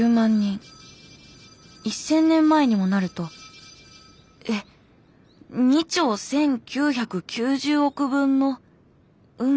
１，０００年前にもなるとえ２兆１，９９０億分の運命。